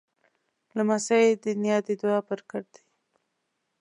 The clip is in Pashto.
لمسی د نیا د دعا پرکت دی.